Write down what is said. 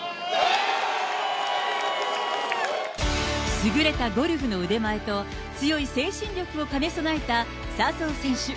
優れたゴルフの腕前と、強い精神力を兼ね備えた笹生選手。